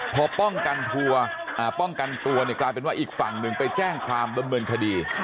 พอป้องกันทัวร์ป้องกันตัวเนี่ยกลายเป็นว่าอีกฝั่งหนึ่งไปแจ้งความดำเนินคดี